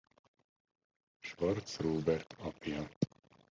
Schwartz Róbert apja.